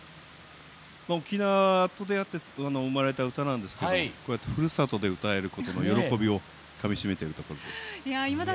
沖縄と出会って生まれた歌なんですがふるさとで歌えることの喜びをかみしめているとことです。